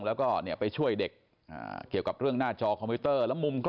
แล้วก็ไปช่วยเด็ก